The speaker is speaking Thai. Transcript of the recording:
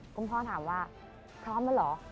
คุณพ่อถามว่าพร้อมแล้วเหรอ